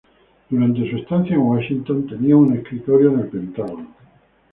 Durante su estancia en Washington, que tenía un escritorio en el Pentágono.